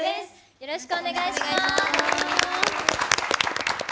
よろしくお願いします。